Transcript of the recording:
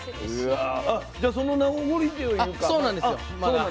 じゃあその名残というかね。